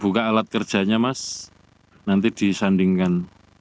buka alat kerjanya mas nanti disandingkan